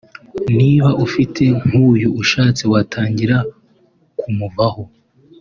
niba ufite nk’uyu ushatse watangira kumuvaho